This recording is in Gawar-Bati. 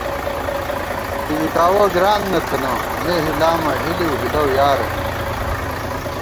بِژِکاوَہ گران نہ تھنہ مے ہِلامہ ، ہلِؤ ہِلَؤ یارہ بی